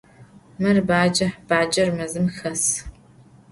Mır bace, bacer mezım xes.